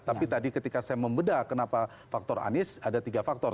tapi tadi ketika saya membeda kenapa faktor anies ada tiga faktor